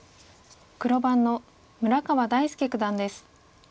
黒番の村川大介九段です。